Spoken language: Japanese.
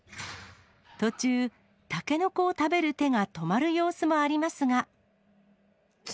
途中、タケノコを食べる手が止まる様子もありますが。